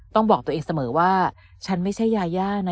ต้องบอกตัวเองเสมอว่าฉันไม่ใช่ยาย่านะ